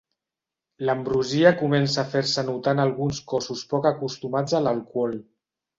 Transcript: L'ambrosia comença a fer-se notar en alguns cossos poc acostumats a l'alcohol.